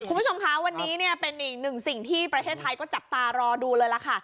คุณผู้ชมคะวันนี้เนี่ยเป็นอีกหนึ่งสิ่งที่ประเทศไทยก็จับตารอดูเลยล่ะค่ะ